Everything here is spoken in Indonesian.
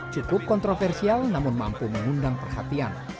cukup kontroversial namun mampu mengundang perhatian